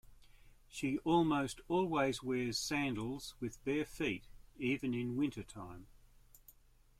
She almost always wears sandals with bare feet, even in wintertime.